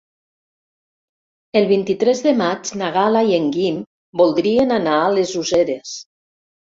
El vint-i-tres de maig na Gal·la i en Guim voldrien anar a les Useres.